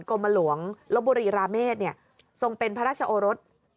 กรมหลวงลบบุรีราเมษทรงเป็นพระราชโอรส